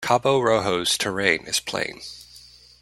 Cabo Rojo's terrain is plain.